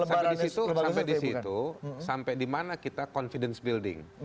sampai di situ sampai di mana kita confidence building